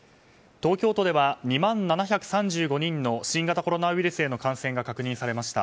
東京都では、２万７３５人の新型コロナウイルスへの感染が確認されました。